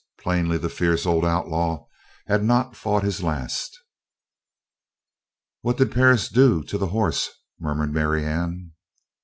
Plainly the fierce old outlaw had not fought his last. "What did Perris do to the horse?" murmured Marianne.